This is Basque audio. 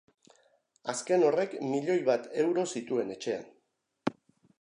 Azken horrek milioi bat euro zituen etxean.